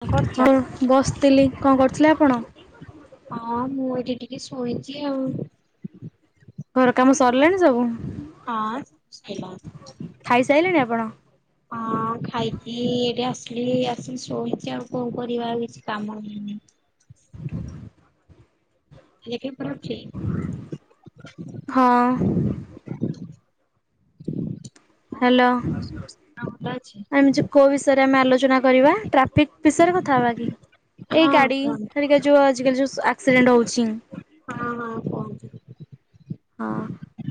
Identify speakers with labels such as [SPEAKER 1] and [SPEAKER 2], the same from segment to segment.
[SPEAKER 1] କଣ କରୁଛ?
[SPEAKER 2] ହଁ, ବସିଥିଲି କଣ କରୁଥିଲେ ଆପଣ?
[SPEAKER 1] ହଁ, ମୁଁ ଏଇଠି ଟିକେ ଶୋଇଛି ଆଉ।
[SPEAKER 2] ଘର କାମ ସରିଲାଣି ସବୁ?
[SPEAKER 1] ହଁ। [unintelligible]
[SPEAKER 2] ଖାଇସାରିଲେଣି ଆପଣ?
[SPEAKER 1] ହଁ, ଖାଇକି ଏଇଠି ଆସିଲି ଆସି ଶୋଇଛି ଆଉ କଣ କରିବା? ଆଉ କିଛି କାମ [unintelligible]
[SPEAKER 2] [unintelligible]
[SPEAKER 1] ଏ [inaudible] ଅଛି।
[SPEAKER 2] ହଁ। ହ୍ୟାଲୋ।
[SPEAKER 1] ଆଉ ଗୋଟ ଅଛି।
[SPEAKER 2] ଆମେ ଯୋଉ କୋଉ ବିଷୟରେ ଆମେ ଆଲୋଚନା କରିବା? ଟ୍ରାଫିକ ବିଷୟରେ କଥା ହବା କି? ଏଇ
[SPEAKER 1] ହଁ
[SPEAKER 2] ଗାଡି
[SPEAKER 1] କୁହନ୍ତୁ
[SPEAKER 2] ଆରିକା ଯୋଉ ଆଜିକାଲି ଯୋଉ ଆକ୍ସିଡେଣ୍ଟ ହଉଛି।
[SPEAKER 1] ହଁ, ହଁ, କୁହନ୍ତୁ।
[SPEAKER 2] ହଁ।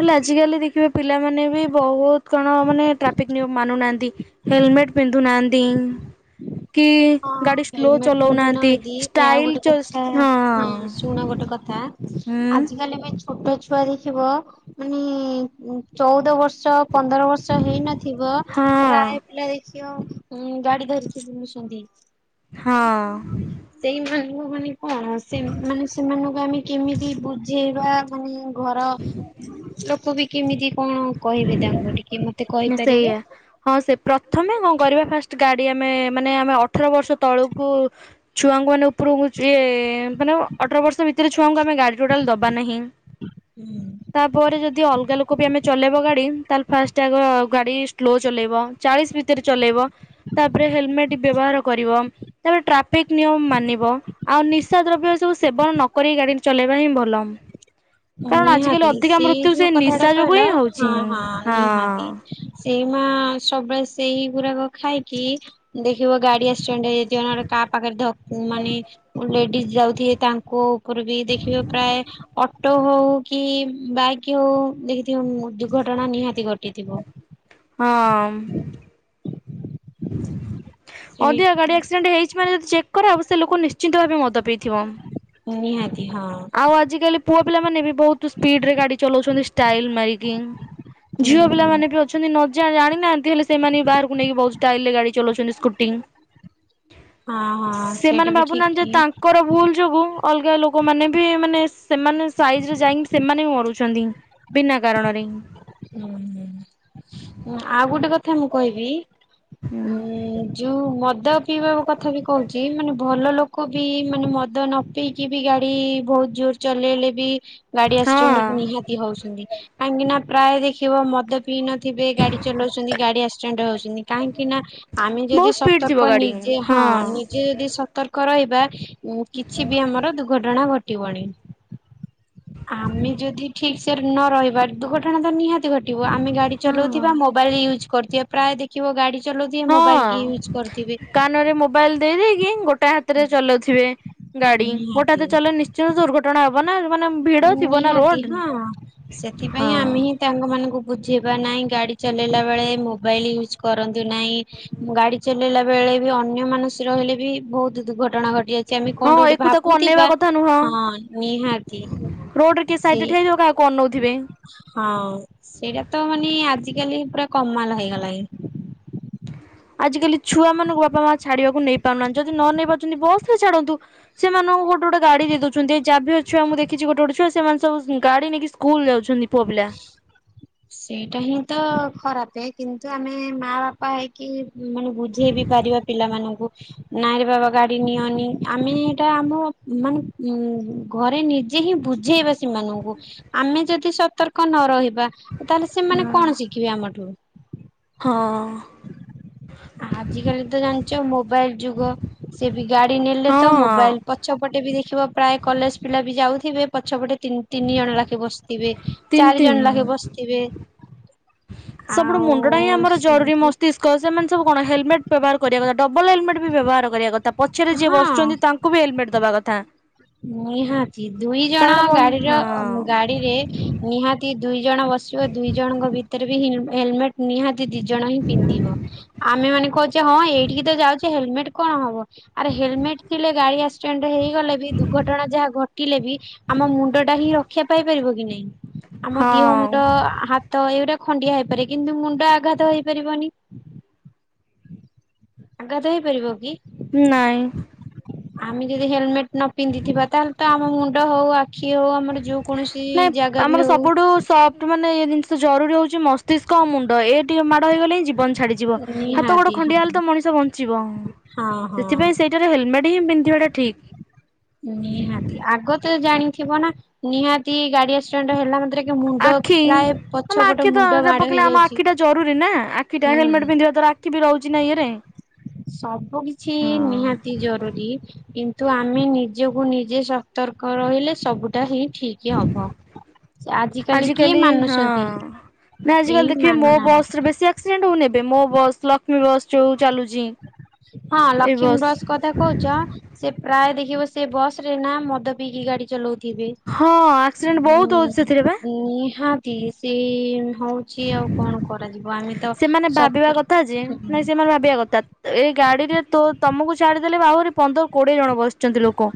[SPEAKER 2] ହେଲେ ଆଜିକାଲି ଦେଖିବେ ପିଲାମାନେ ବି ବହୁତ କଣ ମାନେ ଟ୍ରାଫିକ ନିୟମ ମାନୁ ନାହାନ୍ତି। ହେଲମେଟ ପିନ୍ଧୁ ନାହାନ୍ତିି। କି
[SPEAKER 1] ହଁ
[SPEAKER 2] ଗାଡି ସ୍ଲୋ
[SPEAKER 1] ହେଲମେଟ
[SPEAKER 2] ଚଲଉନାହାନ୍ତି
[SPEAKER 1] ପିନ୍ଧୁନାହାନ୍ତି ଏବେ ଆଉ
[SPEAKER 2] ଷ୍ଟାଇଲ
[SPEAKER 1] ଗୋଟେ କଥା
[SPEAKER 2] ଚଷ ହଁ।
[SPEAKER 1] ଶୁଣ ଗୋଟେ ହଁ,
[SPEAKER 2] ହୁଁ
[SPEAKER 1] ଆଜିକାଲି ବି ଛୁ ଛୋଟ ଛୁଆ ଦେଖିବ ମାନେ ଚଉଦ ବର୍ଷ ପନ୍ଦର ବର୍ଷ ହେଇନଥିବ, ପ୍ରାୟ
[SPEAKER 2] ହଁ
[SPEAKER 1] ପିଲା ଦେଖି [inaudible] ଗାଡି ଧରିିକି ବୁଲୁଛନ୍ତି।
[SPEAKER 2] ହଁ।
[SPEAKER 1] ସେଇମାନଙ୍କୁ ମାନେ କଣ ସେ ମାନେ ସେମାନଙ୍କୁ ଆମେ କେମିତି ବୁଝେଇବା ମାନେ ଘର ଲୋକ ବି କେମିତି କଣ କହିବେ ତାଙ୍କୁ ଟିକେ ମତେ
[SPEAKER 2] ନା
[SPEAKER 1] କହିପାରିବେ?
[SPEAKER 2] ସେଇଆ ହଁ ସେ ପ୍ରଥମେ କଣ କରିବା ଫାଷ୍ଟ ଗାଡି ଆମେ ମାନେ ଆମେ ଅଠର ବର୍ଷ ତଳକୁ ଛୁଆଙ୍କୁ ମାନେ ଉପରକୁ ଇଏ ମାନେ ଅଠର ବର୍ଷ ଭିତରେ ଛୁଆଙ୍କୁ ଆମେ ଗାଡି ଟୋଟାଲ ଦବା ନାହିଁ ତାପରେ ଯଦି ଅଲଗା ଲୋକ ବି ଆମେ ଚଲେଇବ ଗାଡି ତାହଲେ ଫାଷ୍ଟ ଆଗ ଗାଡି ସ୍ଲୋ ଚଲେଇବ ଚାଳିଶ ଭିତରେ ଚଲେଇବ। ତାପରେ ହେଲମେଟ ବ୍ୟବହାର କରିବ ତାପରେ ଟ୍ରାଫିକ ନିୟମ ମାନିବ। ଆଉ ନିଶା ଦ୍ରବ୍ୟ ଏ ସବୁ ସେବନ ନକରି ଗାଡି ଚଲେଇବା ହିଁ ଭଲ। କାରଣ ଆଜିକାଲି
[SPEAKER 1] ନିହାତି
[SPEAKER 2] ଅଧିକା
[SPEAKER 1] ସେଇ
[SPEAKER 2] ମୃତ୍ୟୁ ସେ
[SPEAKER 1] ଯୋଉ କଥାଟା
[SPEAKER 2] ନିଶା ଯୋଗୁ
[SPEAKER 1] କହିଲ
[SPEAKER 2] ହିଁ ହଉଛି
[SPEAKER 1] ହଁ ହଁ ନିହାତି। ସେଇ ମା ସବୁବେଳେ ସେଇ ଗୁରାକ ଖାଇକି ଦେଖିବ ଗାଡି ଆକ୍ସ ସେଆଡେ଼ [inaudible] କାହା ପାଖରେ ଧ ମାନେ ଲେଡିଜ ଯାଉଥିବେ ତାଙ୍କ ଉପରେ ବି ଦେଖିବେ ପ୍ରାୟେ ଅ ଅଟୋ ହଉ କି ବାଇକ୍ ହଉ ଦେଖିଥିବ ଦୁର୍ଘଟଣା ନିହାତି ଘଟିଥିବ।
[SPEAKER 2] ହଁ ମ୍।
[SPEAKER 1] ସେଇ
[SPEAKER 2] ଅଧିକା ଗାଡି ଆକ୍ସିଡେଣ୍ଟ ହେଇଛି ମାନେ ଯଦି ଚେକ୍ କରାହବ ସେ ଲୋକ ନିଶ୍ଚିନ୍ତ ଭାବେ ମଦ ପିଇଥିବ।
[SPEAKER 1] ନିହାତି ହଁ।
[SPEAKER 2] ଆଉ ଆଜିକାଲି ପୁଅ ପିଲାମାନେ ବି ବହୁତ ସ୍ପିଡ ରେ ଗାଡି ଚଲାଉଛନ୍ତି ଷ୍ଟାଇଲ ମାରିକି।
[SPEAKER 1] ହୁଁ
[SPEAKER 2] ଝିଅ
[SPEAKER 1] ହୁଁ
[SPEAKER 2] ପିଲାମାନେ ବି ଅଛନ୍ତି ନଜା ଜାଣିନାହାନ୍ତି ହେଲେ ସେମାନେ ବି ବାହାରକୁ ନେଇକି ବହୁତ ଷ୍ଟାଇଲ ରେ ଗାଡି ଚଲାଉଛନ୍ତି ସ୍କୁ
[SPEAKER 1] ହଁ ହଁ ସେଇଟା
[SPEAKER 2] ସେମାନେ
[SPEAKER 1] ବି ଠିକ
[SPEAKER 2] ଭାବୁନାହାନ୍ତି ଯେ
[SPEAKER 1] କି
[SPEAKER 2] ତାଙ୍କର ଭୁଲ ଯୋଗୁ ଅଲଗା ଲୋକମାନେ ମାନେ ସେମାନେ ସାଇଜରେ ଯାଇକି ସେମାନେ ବି ମରୁଛନ୍ତି ବିନା କାରଣରେ।
[SPEAKER 1] ହୁଁ ଆଉ ଗୋଟେ କଥା ମୁଁ କହିବି ଉଁ ଯୋଉ ମଦ ପିଇବା କଥା ବି କହୁଛି ମାନେ ଭଲ ଲୋକ ବି ମାନେ ମଦ ନ ପିଇ କି ବି ଗାଡି ବହୁତ ଜୋର ଚଲେଇଲେ ବି ଗାଡି
[SPEAKER 2] ହଁ
[SPEAKER 1] ଆକ୍ସିଡେଣ୍ଟ ନିହାତି ହଉଛନ୍ତି କାହିଁକି ନା ପ୍ରାୟ ଦେଖିବ ମଦ ପିଇ ନଥିବେ ଗାଡି ଚଲଉଛନ୍ତି ଗାଡି ଆକ୍ସିଡେଣ୍ଟ ହଉଛନ୍ତି କାହିଁକି ନା ଆମେ
[SPEAKER 2] ବହୁତ
[SPEAKER 1] ଯଦି
[SPEAKER 2] ସ୍ପିଡ ଥିବ
[SPEAKER 1] ସତର୍କ
[SPEAKER 2] ଗାଡି
[SPEAKER 1] ନିଜେ ହଁ ନିଜେ ଯଦି ସ ସତର୍କ ରହିବା କିଛି ବି ଆମର ଦୁର୍ଘଟଣା ଘଟିବଣି। ଆମେ ଯଦି ଠିକ ସେ ନ ରହିବା ଦୁର୍ଘଟଣା ତ ନିହାତି ଘଟିବ ଆମେ ଗାଡି
[SPEAKER 2] ହଁ।
[SPEAKER 1] ଚଲଉଥିବା ମୋ ମୋବାଇଲି ୟୁଜ୍ କରୁଥିବା ପ୍ରାୟ ଦେଖ କରୁଥିବେ।
[SPEAKER 2] ହଁ କାନରେ ମୋବାଇଲ ଦେଇ ଦେଇଦେଇକି ଗୋଟା ହାତରେ ଚଲାଉଥିବେ। ଗାଡି ଗୋଟା
[SPEAKER 1] ନିହାତି।
[SPEAKER 2] ହାତରେ ଚଲେଇଲେ ନିଶ୍ଚିୟ ଦୁର୍ଘଟଣା ହବ ନା ମାନେ ଭିଡ ଥିବ ନା
[SPEAKER 1] ନିହାତି
[SPEAKER 2] ରୋଡ।
[SPEAKER 1] ହଁ ସେଥିପାଇଁ
[SPEAKER 2] ହଁ
[SPEAKER 1] ଆମେ ହିଁ ତାଙ୍କ ମାନଙ୍କୁ ବୁଝେଇବା ନାଇଁ ଗାଡି ଚଲେଇଲା ବେଳେ ମୋବାଇଲ ୟୁଜ କରନ୍ତୁ ନାହିଁ ଗାଡି ଚ ଚଲେଇଲା ବେଳେ ବି ଅନ୍ୟ ମାନସ ରହିଲେ ବି ବହୁତ ଦୁର୍ଘଟଣା ଘଟ ଜଯି ଆମେ ଆମେ
[SPEAKER 2] ହଁ
[SPEAKER 1] କଣ ଗୋଟେ
[SPEAKER 2] ଏକୁ ତାକୁ ଅନେଇବା
[SPEAKER 1] ଭାବୁଥିବା
[SPEAKER 2] କଥା ନୁହଁ
[SPEAKER 1] ହଁ ନିହାତି
[SPEAKER 2] ରୋଡରେ କିଏ
[SPEAKER 1] ସେଇ
[SPEAKER 2] ସାଇଟରେ ଠିଆହେଇଥିବ କାହାକୁ ଅନଉଥିବେ।
[SPEAKER 1] ହଁ ସେଇଟା ତ ମାନେ ଆଜିକାଲି ପୁରା କମାଲ ହେଇଗଲାଣି।
[SPEAKER 2] ଆଜିକାଲି ଛୁଆ ମାନଙ୍କୁ ବାପା ମା ଛାଡିବାକୁ ନେଇ ପାରୁନାହାନ୍ତି ଯଦି ନ ନେଇ ପାରୁଛନ୍ତି ବସ ରେ ଛାଡନ୍ତୁ। ସେମାନଙ୍କୁ ଗୋଟେ ଗୋଟେ ଗାଡି ଦେଇ ଦଉଛନ୍ତି ଏଇ ଯାଭିଅର ଛୁଆ ମୁଁ ଦେଖିଛି ଗୋଟେ ଗୋଟେ ଛୁଆ ସେମାନେ ସବୁ ଗାଡି ନେଇକି ସ୍କୁଲ ଯାଉଛନ୍ତି। ପୁଅପିଲା।
[SPEAKER 1] ସେଇଟା ହିଁ ତ ଖରାପ କିନ୍ତୁ ଆମେ ମା ବାପା ହେଇ କି ମାନେ ବୁଝେଇ ବି ପାରିବା ପିଲାମାନଙ୍କୁ। ନାଇଁରେ ବାବା ଗାଡି ନିଅନି ଆମେ ହେଇଟା ଆମ ମାନେ ଉ ଘରେ ନି ନିଜେ ହିଁ ବୁଝେଇବା ସେମାନଙ୍କୁ ଆମେ ଯଦି ସତର୍କ ନ ରହିବା ତାହେଲେ
[SPEAKER 2] ହଁ
[SPEAKER 1] ସେମାନେ କଣସି ଖିବେ ଆମଠୁ।
[SPEAKER 2] ହଁ।
[SPEAKER 1] [inaudible] ଆଜିକାଲି ତ ଜାଣିଛ ମୋବାଇଲ ଯୁଗ ସେ ବି ଗାଡ଼ି ନେଲେ ତ
[SPEAKER 2] ହଁ
[SPEAKER 1] ମୋବାଇଲ ପ ପଛପଟେ ବି ଦେଖିବ ପ୍ରାୟ କଲେଜ ପିଲା ବି ଯାଉଥିବେ ପଛପଟେ ତିନ୍ ତିନି ଜଣ ଲାଖେ ବସିଥିବେ
[SPEAKER 2] ତିନି
[SPEAKER 1] ଚାରି
[SPEAKER 2] ତିନି
[SPEAKER 1] ଜଣ ଲାଖେ ବସିଥିବେ।
[SPEAKER 2] ସବୁଠୁ
[SPEAKER 1] ଆଉ
[SPEAKER 2] ମୁଣ୍ଡ ଟା ହିଁ ଆମର ଜରୁରୀ
[SPEAKER 1] ସେମିତି
[SPEAKER 2] ମସ୍ତିଷ୍କ ସେମାନେ ସବୁ କଣ ହେଲମେଟ୍ ବ୍ୟବହାର କରିବା କଥା ଡବଲ୍ ହେଲମେଟ୍ ବି ବ୍ୟବହାର କରିବା କଥା ପଛରେ ଯିଏ
[SPEAKER 1] ହଁ
[SPEAKER 2] ବସୁଛନ୍ତି ତାଙ୍କ୍ ଙ୍କୁ ବି ହେଲ୍ମେଟ୍ ଦବା କଥା।
[SPEAKER 1] ନିହାତି ଦୁଇ ଜଣ
[SPEAKER 2] କାରଣ ବ ହଁ
[SPEAKER 1] ଗାଡ଼ିର ଗାଡ଼ିରେ ନିହାତି ଦୁଇ ଜଣ ବସି ଵ ଦୁଇ ଜଣଙ୍କ ଭିତରେ ବି ହିଁ ହେଲମେଟ୍ ନିହାତି ଦି ଜଣ ହିଁ ପିନ୍ଧିବ ଆମେ ମାନେ କହୁଛେ ହଁ ଏଇଠିକି ତ ଯାଉଛେ ହେଲମେଟ୍ କଣ ହବ? ଆରେ ହେଲମେଟ୍ ଥିଲେ ଗାଡ଼ି ଆକ୍ସିଡେଣ୍ଟ ହେଇଗଲେ ବି ଦୁକ୍ ଘଟଣା ଯାହା ଘଟିଲେ ବି ଆମ ମୁଣ୍ଡ ଟା ହିଁ ରକ୍ଷା ପାଇପାରିବ କି ନାହିଁ? ଆମ ଦେହ
[SPEAKER 2] ହଁ
[SPEAKER 1] ମୁଣ୍ଡ ହାତ ଏଗୁଡା ଖଣ୍ଡିଆ ହେଇପାରେ କିନ୍ତୁ ମୁଣ୍ଡ ଆଘାତ ହେଇପାରିବନି। ଆଘାତ ହେଇପାରିବ କି?
[SPEAKER 2] ନାଇଁ।
[SPEAKER 1] ଆମେ ଯଦି ହେଲମେଟ୍ ନ ପିନ୍ଧିଥିବା ତାହେଲେ ତ ଆମ ମୁଣ୍ଡ ହଉ ଆ ଆଖି ହଉ ଆମର ଯୋଉ କୌଣସି
[SPEAKER 2] ନାଇଁ
[SPEAKER 1] ଜାଗା
[SPEAKER 2] ଆମର
[SPEAKER 1] ବି ହଉ
[SPEAKER 2] ସଫ୍ଟ ସବୁଠୁ ମାନେ ଏ ଜିନିଷ ଜରୁରୀ ହଉଛି ମସ୍ତିଷ୍କ ଆଉ ମୁଣ୍ଡ ଏ ଟିକେ ମାଡ଼ ହେଇଗଲେ ହିଁ ଜୀବନ ଛାଡି ଯିବ ହାତ ଗୋଡ଼
[SPEAKER 1] ନିହାତି ହଁ
[SPEAKER 2] ଖଣ୍ଡିଆ ହେଲେ ତ ମଣିଷ ବଞ୍ଚିବ
[SPEAKER 1] ହଁ
[SPEAKER 2] ସେଥିପାଇଁ
[SPEAKER 1] ହଁ
[SPEAKER 2] ସେଇ ଥିରେ ହେଲ୍ମେଟ୍ ହଁ ପିନ୍ଧିବାଟା ଠିକ୍।
[SPEAKER 1] ନିହାତି ଆଗ ତ ଜାଣିଥିବ ନା ନିହାତି ଗାଡ଼ି ଆ ଆକ୍ସିଡେଣ୍ଟ ହେଲା ମାତ୍ରେ କି ମୁଣ୍ଡ
[SPEAKER 2] ଆଖି
[SPEAKER 1] ପ୍ରାୟ
[SPEAKER 2] ଆମ
[SPEAKER 1] ପଛପଟ
[SPEAKER 2] ଆଖି ତ
[SPEAKER 1] ମୁଣ୍ଡ ମାଡ଼ ହେଇଯାଉଛି।
[SPEAKER 2] କିଟା
[SPEAKER 1] ହୁଁ
[SPEAKER 2] ହେଲମେଟ ପିନ୍ଧିବା ଦ୍ଵାରା ଆଖି ବି ରହୁଛି ନା ଇଏରେ।
[SPEAKER 1] ସବୁ କିଛି
[SPEAKER 2] ହଁ।
[SPEAKER 1] ନିହାତି ଜରୁରୀ କିନ୍ ତୁ ଆମେ ନିଜକୁ ନିଜେ ସତର୍କ ରହିଲେ ସବୁଟା ହିଁ ଠିକି ହବ। ଆଜିକାଲି କିଏ
[SPEAKER 2] ଆଜିିକାଲି ହଁ
[SPEAKER 1] ମାନୁଛନ୍ତି କେହି
[SPEAKER 2] ଆଜିିକାଲି ଦେଖିବେ ମୋ
[SPEAKER 1] ମାନୁନାହାନ୍ତି।
[SPEAKER 2] ବସ୍ରେ ବେଶୀ ଆକ୍ସିଡେଣ୍ଟ୍ ହୋଉନି ଏବେ ମୋ ବସ୍ ଲକ୍ଷ୍ମୀ ବସ୍ ଯୋଉ ଚାଲୁଛି।
[SPEAKER 1] ହଁ ଲକ୍ଷ୍ମୀ ବସ୍ କଥା କହୁଛି ସେ ପ୍ରାୟ ଦେଖିବ ସେ ବସ୍ ରେ ନା ମଦ ପିଇକି ଗାଡ଼ି ଚଲଉଥିବେ।
[SPEAKER 2] ହଁ ଆକ୍ସିଡେଣ୍ଟ ବହୁତ ହେଉଛି ସେଥିରେ ବା।
[SPEAKER 1] ଉଁ ନିହାତି ତିରିଶ ହଉଛି ଆଉ କଣ କରାଯିବ ଆମେ ତ ସତର୍କ
[SPEAKER 2] ତ ଭାବିବା କଥା ଏଇ ଗାଡ଼ିରେ ତୋ ତମକୁ ଛାଡିଦେଲେ ବି ଆହୁରି ପନ୍ଦର କୋଡିଏ ଜଣ ବସିଛନ୍ତି ଲୋକ।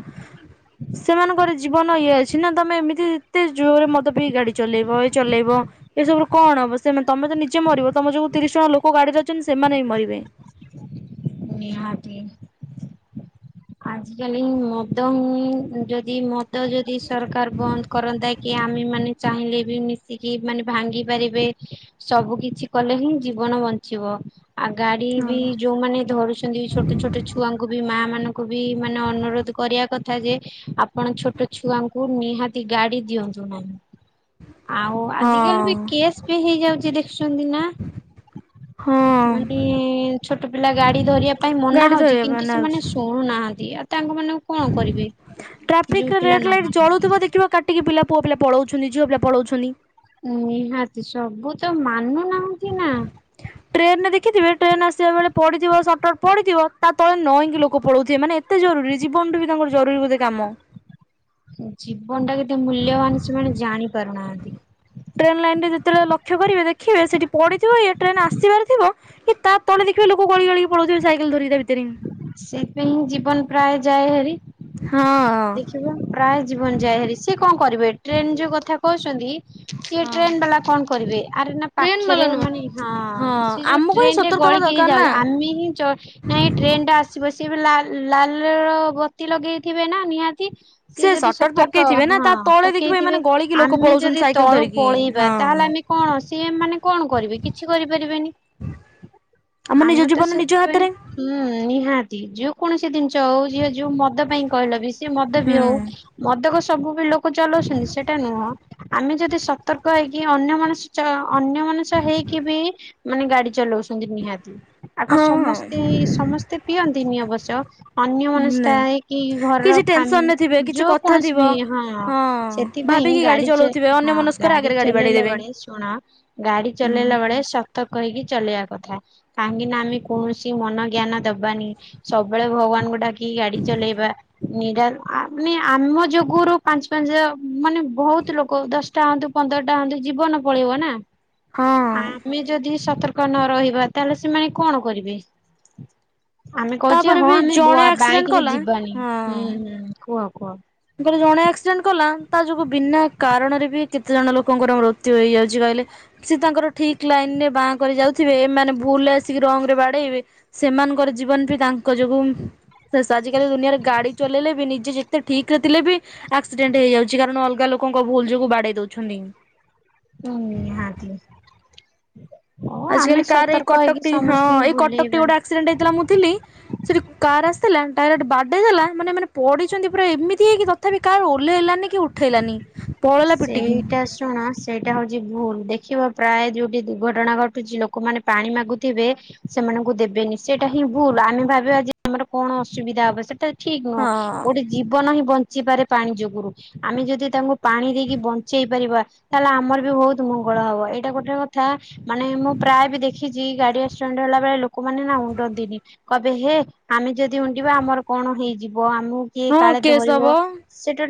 [SPEAKER 1] ହୁଁ
[SPEAKER 2] ସେମାନଙ୍କର ଜୀବନ ଇଏ ଅଛି ନା ତୁମେ ଏମିତି ଏତେ ଜୋରରେ ମଦ ପିଇ ଗାଡ଼ି ଚଲେଇବ ଏ ଚଲେଇବ। ଏସବୁ କଣ ହବ ସେ ତମେ ତ ନିଜେ ମରିବ ତମ ଯୋଉ ତିରିଶ ଜଣ ଲୋକ ଗାଡିରେ ଅଛନ୍ତି ସେମାନେ ବି ମରିବେ।
[SPEAKER 1] ନିହାତି ଆଜି କାଲି ମଦ ହିଁ ଯଦି ମ ଦ ଯଦି ସରକାର ବନ୍ଦ କରନ୍ତା କି ଆମ୍ ଆମେ ମାନେ ଚାହିଁଲେ ବି ମିଶିକି ମାନେ ଭାଙ୍ଗି ପାରିବେ। ସବୁ କିିଛି କଲେ ହିଁ ଜୀବନ ବଞ୍ଚିବ। ଆଉ ଗାଡ଼ି ବି ଯୋଉମାନେ ଧରୁଛନ୍ତି ଛୋଟ ଛୋଟ ଛୁଆଙ୍କୁ ବି ମା ମାନଙ୍କୁ ଙ୍କୁ ବି ମାନେ ଅନୁରୋଧ କରିବା କଥା ଯେ ଆପଣ ଛୋଟ ଛୁଆଙ୍କୁ ନିହାତି ଗାଡ଼ି ଦିଅନ୍ତୁ ନାହିଁ। ଆଉ ଆଜିକାଲି ବି
[SPEAKER 2] ହଁ
[SPEAKER 1] କେସ୍ ବି ହେଇଯାଉଛି ଦେଖୁଛନ୍ତି ନା।
[SPEAKER 2] ହଁ।
[SPEAKER 1] ମାନେ ଛୋଟ ପିଲା ଗାଡି ଧରିବା ପାଇଁ ମନା
[SPEAKER 2] ଗାଡି
[SPEAKER 1] ହଉଛି
[SPEAKER 2] ଧରିବା ପାଇଁ
[SPEAKER 1] କିନ୍ତୁ ସେମାନେ ଶୁଣୁନାହାନ୍ତି ଆଉ ତାଙ୍କ ମାନ
[SPEAKER 2] ଟ୍ରାଫିକର ରେଡ୍
[SPEAKER 1] ନ
[SPEAKER 2] ଲାଇଟ୍
[SPEAKER 1] ମାନନ୍ତି
[SPEAKER 2] ଜଳୁଥିବା ଦେଖିବ କାଟ ଟି କି ପୁଅ ପିଲା ପଳଉ ଛନି ଝିଅ ପିଲା ପଲୋଉଛନି।
[SPEAKER 1] ନିହାତି ସବୁ ତ ମାନୁନାହାଁନ୍ତି ନା।
[SPEAKER 2] ଟ୍ରେନ ରେ ଦେଖଥିବେ ଟ୍ରେନ ଆସିବା ବେଳେ ପଡିଥିବ ସର୍ଟକଟ ପଡିଥିବ ତା ତଳେ ନଇକି ଲୋକ ପଳଉଥିବେ ମାନେ ଏ ତେ ଜରୁରୀ ଜୀବନଟୁ ବି ତାଙ୍କର ଜରୁରୀ ବୋଧେ କାମ।
[SPEAKER 1] ଜୀବନ ଟା କେତେ ମୂଲ୍ୟବାନ ସେମାନେ ଜାଣି ପାରୁନାହାନ୍ତି।
[SPEAKER 2] ଟ୍ରେନ ଲାଇନ ରେ ଯେତେବେଳେ ଲକ୍ଷ୍ୟ କରିବେ ଦେଖିବେ ସେଇଠି ପଡ଼ିଥିବ ୟା ଟ୍ରେନ ଆସିବାର ଥିବ ଏଇ ତା ତଳେ ଦେଖିବେ ଲୋକ ଗଳି ଗଳି ପଳଉଥିବେ ସାଇକେଲ ଧରିକି ତା ଭିତରେ।
[SPEAKER 1] ସେଇଥିପାଇଁ ଜୀବନ ପ୍ରାୟ ଯାଏ ହାରି।
[SPEAKER 2] ହଁ।
[SPEAKER 1] ଦେଖିବ ପ୍ରାୟ ଜୀବନ ଯାଏ ହାରି ସିଏ କଣ କରିବେ ଟ୍ରେନ ଯୋଉ କଥା କହୁଛନ୍ତି ସିଏ ଟ୍ରେନ ବାଲା କଣ କରିବେ ଆରେ ନା ପାଖରେ ମାନେ ହଁ।
[SPEAKER 2] ହଁ
[SPEAKER 1] ଯୋଉ
[SPEAKER 2] ଆମକୁ ହିଁ
[SPEAKER 1] ଟ୍ରେନରେ
[SPEAKER 2] ସତର୍କ ହବା
[SPEAKER 1] ଗଳିକି ହେ
[SPEAKER 2] ଦରକାର ନା।
[SPEAKER 1] ଯାଉ ଆମେ ହିଁ ଚ ନାଇଁ ଟ୍ରେନ ଟା ଆସିବ ସିଏ ବି ଲାଲ ଲାଲର ବତି ଲଗେଇଥିବେ ନା ନିହାତି। ସି
[SPEAKER 2] ସେ
[SPEAKER 1] ଯଦି
[SPEAKER 2] ସଟର
[SPEAKER 1] ସତର୍କ
[SPEAKER 2] ପକେଇଥିବେ ନା
[SPEAKER 1] ହଁ
[SPEAKER 2] ତା ତଳେ ଦେଖିବେ
[SPEAKER 1] ପକେଇଥିବେ
[SPEAKER 2] ଏମାନେ ଗଳିକି ଲୋକ
[SPEAKER 1] ଆମେ
[SPEAKER 2] ପଳଉଛନ୍ତି
[SPEAKER 1] ଯଦି
[SPEAKER 2] ସାଇକେଲ
[SPEAKER 1] ତଳୁ
[SPEAKER 2] ଧରିକି
[SPEAKER 1] ପଳେଇବା ତାହେଲେ
[SPEAKER 2] ହଁ।
[SPEAKER 1] ଆମେ କଣ ସିଏ ମ୍ ମାନେ କଣ କରିବେ କିଛି କରିପାରିବେନି।
[SPEAKER 2] ଆମ ନିଜ
[SPEAKER 1] ଆମେ ତ
[SPEAKER 2] ଜୀବନ ନିଜ
[SPEAKER 1] ସେଥିପାଇଁ
[SPEAKER 2] ହାତରେ।
[SPEAKER 1] ହୁଁ ନିହାତି ଯୋଉ କୌଣସି ଜିନିଷ ହଉ ଯିଏ ଯୋଉ ମଦ ପାଇଁ କହିଲ ବି ସେ ମଦ ବି
[SPEAKER 2] ହୁଁ
[SPEAKER 1] ହଉ। ମଦକ ସବୁ ବି ଲୋକ ଚଲଉଛନ୍ତି ସେଟା ନୁହଁ ଆମେ ଯଦି ସତର୍କ ହେଇକି ଅନ୍ୟ ମନ ଅନ୍ୟ ମନଷ ହେଇକି ବି ମାନେ ଗାଡି ଚଲଉ ନିହାତି ଆ କ
[SPEAKER 2] ହଁ
[SPEAKER 1] ସମସ୍ତେ ସମସ୍ତେ ପିଅନ୍ତି ନିଅବଶ୍ୟ। ଅନ୍ୟ ମନସ୍ଥା
[SPEAKER 2] ନାଇଁ
[SPEAKER 1] ହେଇକି ଘରର
[SPEAKER 2] କିଛି
[SPEAKER 1] ଫା
[SPEAKER 2] ଟେନସନରେ ଥିବେ କିଛି
[SPEAKER 1] ଯୋଉ
[SPEAKER 2] କଥା
[SPEAKER 1] କୌଣସି
[SPEAKER 2] ଥିବ
[SPEAKER 1] ବି ହଁ ସେ ସେଥିପାଇଁ
[SPEAKER 2] ଭାବିକି
[SPEAKER 1] ଗାଡି ଚ
[SPEAKER 2] ଚଲଉଥିବେ
[SPEAKER 1] ହଁ
[SPEAKER 2] ଅନ୍ୟ ମନସ୍କରେ
[SPEAKER 1] ଗାଡି
[SPEAKER 2] ଆଗରେ ବାଡେଇ
[SPEAKER 1] ଚଲେଇଲା
[SPEAKER 2] ଦେବେ।
[SPEAKER 1] ବେଳେ ଶୁଣ ଗାଡି
[SPEAKER 2] ହୁଁ
[SPEAKER 1] ଚଲେଇଲା ବେଳେ ସ ତ କହିକି ଚଲେଇିବା କଥା କାହିଁକି ନା ଆମେ କୌଣସି ମନ ଜ୍ଞାନ ଦବାନି ସବୁବେଳେ ଭଗବାନଙ୍କୁ ଡାକି ଗାଡି ଚଲେଇବା। ନିରା ମାନେ ଆମ ଯୋଗୁରୁ ପାଞ୍ଚ ପାଞ୍ଚ ମାନେ ବହୁତ ଲୋକ ଦଶ ଟା ହନ୍ତୁ ପନ୍ଦରଟା ହନ୍ତୁ ଜୀବନ ପଳେଇବ ନା
[SPEAKER 2] ହଁ
[SPEAKER 1] ଆମେ ଯଦି ସତର କ ନ ରହିବା ତାହେଲେ ସେମାନେ କଣ କରିବେ। ଆମେ କହୁଛେ
[SPEAKER 2] ତାପରେ
[SPEAKER 1] ହଁ
[SPEAKER 2] ବି
[SPEAKER 1] ଆମେ
[SPEAKER 2] ଜଣେ ଆକ୍ସିଡେଣ୍ଟ
[SPEAKER 1] ବାଇକରେ
[SPEAKER 2] କଲା
[SPEAKER 1] ଯିବାନି ହୁଁ ହୁଁ କୁହ କୁହ।
[SPEAKER 2] ମୁ କହିଲି ଜଣେ ଆକ୍ସିଡେଣ୍ଟ କଲା ତା ଯୋଗୁ ବିନା କାରଣରେ ବି କେତେ ଜଣ ଲୋକଙ୍କର ମୃତ୍ୟୁ ହେଇଯାଉଛି କହିଲେ। ସି ତାଙ୍କର ଠିକ ଲାଇନ ରେ ବାଁ କରେ ଯାଉଥିବେ ଏମାନେ ଭୁଲ ଆସିକି ରଙ୍ଗ ରେ ବାଡେଇବେ। ସେମାନଙ୍କର ଜୀବନ ବି ତାଙ୍କ ଯୋଗୁ ଶେଷ ଆଜିକାଲି ଦୁନିଆରେ ଗାଡି ଚଲେଇଲେ ବି ନିଜେ ଯେ ଠିକ ରେ ଥିଲେ ବି ଆକ୍ସିଡେଣ୍ଟ ହେଇଯାଉଛି କାରଣ ଅଲଗା ଲୋକଙ୍କ ଭୁଲ ଯୋଗୁ ବାଡେଇ ଦଉଛନ୍ତି।
[SPEAKER 1] ହୁଁ ନାହାନ୍ତି।
[SPEAKER 2] ଆଜିକାଲି କାର ଏଇ
[SPEAKER 1] ହେଇକି
[SPEAKER 2] କଟକଟି ହଁ
[SPEAKER 1] ସମସ୍ତଙ୍କୁ
[SPEAKER 2] ଏଇ
[SPEAKER 1] ବୁଲେଇବା।
[SPEAKER 2] କଟକଟି ଗୋଟେ ଆକ୍ସିଡେଣ୍ଟ ହେଇଥିଲା ମୁଁ ଥିଲି ସେଠି କାର ଆସିଥିଲା ଡାଇରେ୍ଟ ବାଡେଇ ଦେଲା ମାନେ ଏମାନେ ପଡିଛନ୍ତି ପୁରା ଏମିତି ହେଇକି ତଥାପି କାର ଓହ୍ଲେଇଲାନି କି ଉଠେଇଲାନି। ପଳେଇଲା ପିଟିକି।
[SPEAKER 1] ସେଇଟା ଶୁଣ ସେଇଟା ହଉଛି ଭୁଲ ଦେଖିବ ପ୍ରାୟ ଯୋଉଠି ଦୁର୍ଘଟଣା ଘଟୁଛି ଲୋକମାନେ ପାଣି ମାଗୁଥିବେ ସେମାନଙ୍କୁ ଦେବେନି ସେଇଟା ହିଁ ଭୁଲ ଆମେ ଭାବିବା ଯେ ଆମର କଣ ଅସୁବିଧା ହବ ସେଟା ଠିକ ନୁହଁ
[SPEAKER 2] ହଁ।
[SPEAKER 1] ଗୋଟେ ଜୀବନ ହିଁ ବଞ୍ଚିପାରେ ପାଣି ଯୋଗୁରୁ ଆମେ ଯଦି ତାଙ୍କୁ ପାଣି ଦେଇକି ବଞ୍ଚେଇ ପାରିବା ତାହେଲେ ଆମର ବି ବହୁତ ମଙ୍ଗଳ ହବ ଏଇଟା ଗୋଟେ କଥା ମାନେ ମୁଁ ପ୍ରାୟ ବି ଦେଖିଛି ଗାଡି ଆକ୍ସିଡେଣ୍ଟ ହେଲା ବଳେ ଲୋକମାନେ ନା ଉଣ୍ଡନ୍ତିନି। କବେ ହେ ଆମେ ଯଦି ଉଣ୍ଡିବା ଆମର କଣ ହେଇଯିବ ଆମକୁ କିଏ
[SPEAKER 2] ହଁ
[SPEAKER 1] କାଳେ
[SPEAKER 2] କେସ୍ ହବ।
[SPEAKER 1] ଧରିବ। ସେଟା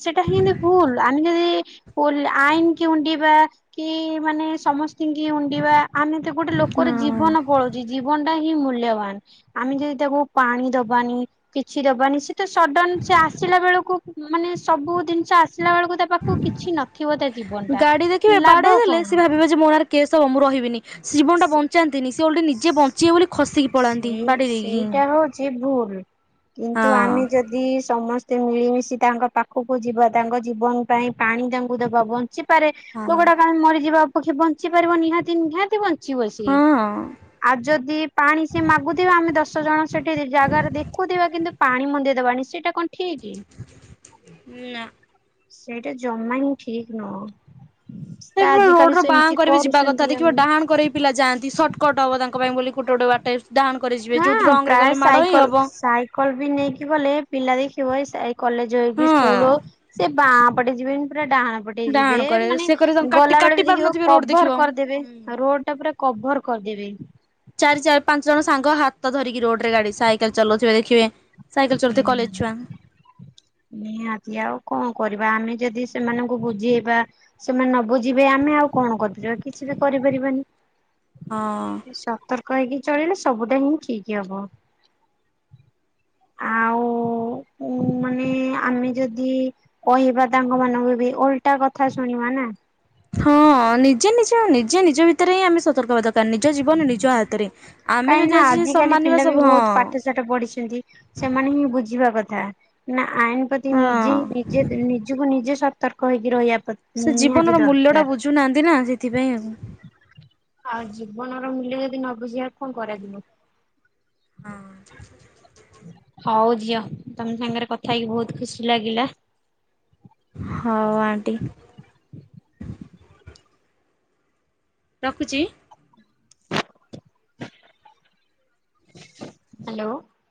[SPEAKER 1] ସେଟା ହେଁତି ଭୁଲ ଆନ ଯଦି ଲ ଆଇନ କି ଉଣ୍ଡିବା କି ମାନେ ସମସ୍ କି ଉଣ୍ଡିବା ଆମେ ତ ଗୋଟେ ଲୋକର
[SPEAKER 2] ହଁ।
[SPEAKER 1] ଜୀବନ ପଳଉଛି ଜୀବନଟା ହିଁ ମୂଲ୍ୟବାନ। ଆମେ ଯଦି ତାକୁ ପାଣି ଦବାନି କିଛି ଦବାନି ସେ ତ ସଡନ ସେ ଆସିଲା ବେଳକୁ ମାନେ ସବୁ ଜିନିଷ ଆସିଲା ବେଳକୁ ତା କୁ କିଛି ନଥିବ ତା ଜୀବନ ଟା ଲାଭ କଣ?
[SPEAKER 2] ଛି ମୋ ନାରେ କେସ୍ ହବ ମୁଁ ରହିବିନି। ଜୀବନ ଟା ବଞ୍ଚାନ୍ତିନି ସେ ଓଲଟି ନିଜେ ବଞ୍ଚିବେ ବୋଲି ଖସିକି ପଳାନ୍ତି ବାଡେଇ ଦେଇକିନି।
[SPEAKER 1] ଯେ ଭୁଲ କିନ୍ତୁ ଆମେ ଯଦି ଦି ସମସ୍ତେ ମିଳିମିଶି ତାଙ୍କ ପାଖକୁ ଯିବା ତାଙ୍କ ଜୀବନ ପାଇଁ ପାଣି ତାଙ୍କୁ ଦେବା ବଞ୍ଚି ପାରେ
[SPEAKER 2] ହଁ।
[SPEAKER 1] ଲୋକଟା କାଇଁ ମରିଯିବ ଅପେକ୍ଷା ବଞ୍ଚି ପାରିବ ନିହାତି ନିହାତି ବଞ୍ଚିବ ସିଏ।
[SPEAKER 2] ହଁ
[SPEAKER 1] ଆଉ ଯଦି ପାଣି ସିଏ ମାଗୁଥିବା ଆମେ ଦଶ ଜଣ ସେଠି ଜାଗାରେ ଦେଖୁଥିବା କିନ୍ତୁ ପାଣି ମନ୍ଦେଇଦବାନି ସେଇଟା କଣ ଠିକ୍?
[SPEAKER 2] ନା।
[SPEAKER 1] ସେଇଟା ଜମା ହିଁ ଠିକ ନୁହଁ। ତ
[SPEAKER 2] ସେ ରୋଡ
[SPEAKER 1] ଆଜିକାଲି
[SPEAKER 2] ର ବାଆଁ
[SPEAKER 1] ସେମିତି
[SPEAKER 2] କରେ ବି ଯିବା କଥା
[SPEAKER 1] କରୁଛନ୍ତି
[SPEAKER 2] ଦେଖିବ
[SPEAKER 1] ଆଉ।
[SPEAKER 2] ଡାହାଣ କରେ ପିଲା ଯାଆନ୍ତି ସର୍ଟକଟ ହବ ତାଙ୍କ ପାଇଁ ବୋଲି ଗୋଟେ ଗୋଟ ବାଟ ଡାହାଣ କରେ ଯିବେ ଯୋଉଠି ରଙ୍ଗରେ ଗଲେ ମାଡ଼ ହିଁ ହବ।
[SPEAKER 1] କଲ ବି ନେଇକି ଗଲେ ପିଲା ଦେଖିବ ଏ କଲେଜ ହକ
[SPEAKER 2] ହଁ
[SPEAKER 1] ସ୍କୁଲ ହଉ ସେ ବାଁ ପଟେ ଯିବେନି ପୁରା ଡାହାଣ ପଟେଇ
[SPEAKER 2] ଡାହାଣ
[SPEAKER 1] ଯିବେ
[SPEAKER 2] କରେ
[SPEAKER 1] ମାନେ
[SPEAKER 2] ସେ କରେ ତାଙ୍କୁ କାଟି
[SPEAKER 1] ଗଲା ବେଳେ
[SPEAKER 2] କାଟି
[SPEAKER 1] ବି ଦେଖିବ
[SPEAKER 2] ପାରୁନଥିବେ ରୋଡ ଦେଖିବ।
[SPEAKER 1] କଭର କରିଦେବେ
[SPEAKER 2] ହୁଁ।
[SPEAKER 1] ରୋଡ ଟା ପୁରା କଭର କରିଦେବେ।
[SPEAKER 2] ଚାରି ଚାରି ପାଞ୍ଚ ଜଣ ସାଙ୍ଗ ହାତ ତ ଧରିକି ରୋଡ ରେ ଗାଡି ସାଇକେଲ ଚଲଉଥିବେ ଦେଖିବେ ସାଇକେଲ ଚଲଉଥିବେ କଲେଜ
[SPEAKER 1] ହୁଁ
[SPEAKER 2] ଛୁଆ।
[SPEAKER 1] ନିହାତି ଆଉ କଣ କରିବା ଆମେ ଯଦି ସେମାନଙ୍କୁ ବୁଝେଇବା ସେମାନେ ନ ବୁଝିବେ ଆମେ ଆଉ କଣ କରିପାରିବା କିଛି ବି କରିପାରିବାନି।
[SPEAKER 2] ହଁ।
[SPEAKER 1] ସତର୍କ ହେଇକି ଚଳିଲେ ସବୁଟା ହିଁ ଠିକ ହବ। ଆଉ ମାନେ ଆମେ ଯଦି କହିବା ତାଙ୍କ ମାନଙ୍କୁ ବି ଓଲଟା କଥା ଶୁଣିବା ନା।
[SPEAKER 2] ହଁ ନିଜେ ନିଜ ନିଜେ ନିଜ ଭିତରେ ହିଁ ଆମେ ସତର୍କ ହେବା ଦରକାର ନିଜ ଜୀବନ ନିଜ ହାତରେ। ଆମେ ଯଦି ଆଜି ସମାନିବା ସବୁ ହଁ।
[SPEAKER 1] ସେଟା ପଢିଛନ୍ତି ସେମାନେ ହିଁ ବୁଝିବା କଥା। ନା ଆଇନ ପ୍ରତି ନିଜେ
[SPEAKER 2] ହଁ।
[SPEAKER 1] ହିଁ ନିଜେ ନିଜକୁ ନିଜେ ସତର୍କ ହେଇକି ରହିବା ପ୍ରତି
[SPEAKER 2] ସେ ଜୀବନର ମୂଲ୍ୟ ଟା ବୁଝୁନାହାନ୍ତି ନା ସେଥିପାଇଁ ଆଉ।
[SPEAKER 1] ଆଉ ଜୀବନର ମୂଲ୍ୟ ଯଦି ନ ବୁଝିବାର କଣ କରାଯିବ?
[SPEAKER 2] ହଁ।
[SPEAKER 1] ହଉ ଝିଅ ତମେ ସାଙ୍ଗରେ କଥା ହେଇକି ବହୁତ ଖୁସି ଲାଗିଲା।
[SPEAKER 2] ହଉ ଆଣ୍ଟି। ରଖୁଛି?
[SPEAKER 1] ହ୍ୟାଲୋ।